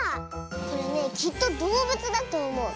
これねきっとどうぶつだとおもう。